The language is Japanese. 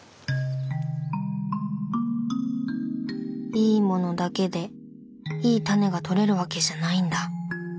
いいものだけでいいタネがとれるわけじゃないんだ。